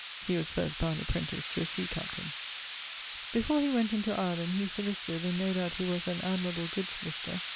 ] He was first bound apprentice to a sea captaine. Before he went into Ireland, he sollicited, and no doubt he was an admirable good sollicitor.